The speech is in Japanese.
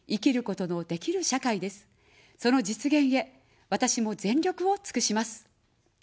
その実現へ、私も全力をつくします。